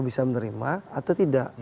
bisa menerima atau tidak